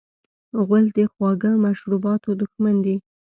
غول د خواږه مشروباتو دښمن دی.